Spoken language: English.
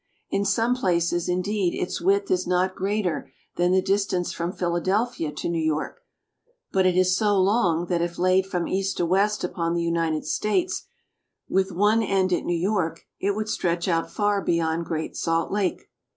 In some places, indeed, its width is not greater than the distance from Philadelphia to New York, but it is so long that if laid from east to west upon the United States, with one end at New York, it would stretch out far beyond Great Salt Lake.